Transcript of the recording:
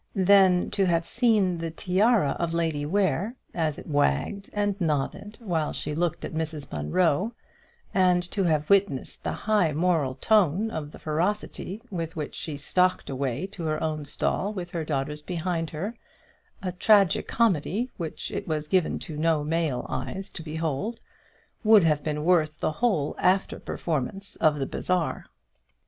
Then to have seen the tiara of Lady Ware, as it wagged and nodded while she looked at Mrs Munro, and to have witnessed the high moral tone of the ferocity with which she stalked away to her own stall with her daughters behind her, a tragi comedy which it was given to no male eyes to behold, would have been worth the whole after performance of the bazaar.